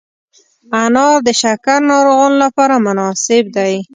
انار د شکر ناروغانو لپاره مناسب دی.